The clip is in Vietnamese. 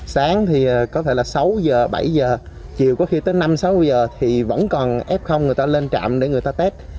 sáng thì có thể là sáu giờ bảy giờ chiều có khi tới năm sáu giờ thì vẫn còn f người ta lên trạm để người ta tét